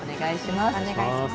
お願いします。